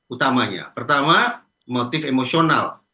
utamanya pertama motif emosional